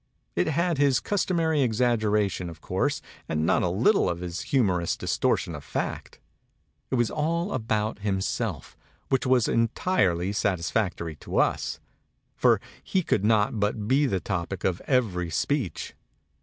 It had his customary exaggeration, of course, and not a little of his humorous distortion of fact. It was all about himself, which was entirely satisfac tory to us, for he could not but be the topic of every speech.